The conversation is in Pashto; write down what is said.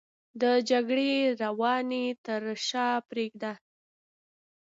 د جګړې ورانۍ تر شا پرېږدي